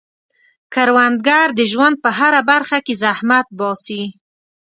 کروندګر د ژوند په هره برخه کې زحمت باسي